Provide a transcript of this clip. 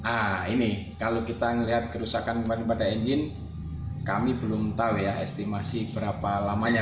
ah ini kalau kita melihat kerusakan kemarin pada engine kami belum tahu ya estimasi berapa lamanya